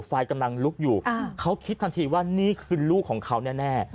ไฟกำลังลุกอยู่เขาคิดทันทีว่านี่คือลูกของเขาแน่